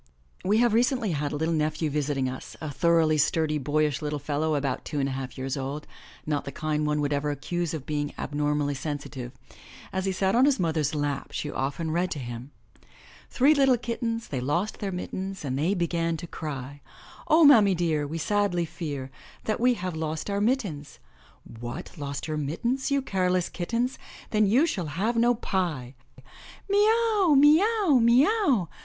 We have recently had a little nephew visiting us, a thoroughly sturdy, boyish little fellow about two and a half years old, not the kind one would ever accuse of being abnormally sensitive. As he 212 THE LATCH KEY sat on his mother's lap she often read to him: ^^^ ''Three little kittens They lost their mittens And they began to cry; V mammy dear, We sadly fear That we have lost our mittens!' 'What! lost your mittens. You careless kittens. Then you shall have no pie,* 'Mee aWy mee aw, mee aw!'